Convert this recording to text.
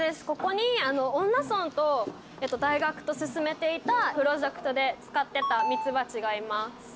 ここに恩納村と大学と進めていたプロジェクトで使ってたミツバチがいます